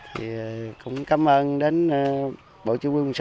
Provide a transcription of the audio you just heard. thì cũng cảm ơn đến bộ chủ quân sự ban chủ quân sự